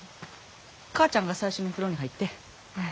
母ちゃんが最初に風呂に入って。